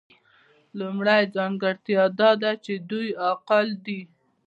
لومړۍ ځانګړتیا دا ده چې دوی عاقل دي.